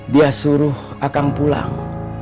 dia suruh akang pulang